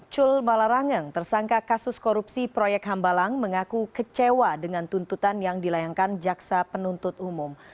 cul malarangeng tersangka kasus korupsi proyek hambalang mengaku kecewa dengan tuntutan yang dilayangkan jaksa penuntut umum